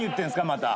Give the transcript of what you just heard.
また。